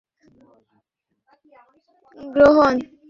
কিন্তু শিশুটি কারো স্তনই গ্রহণ করলেন না।